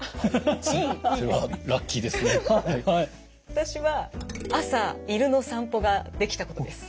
私は朝犬の散歩ができたことです。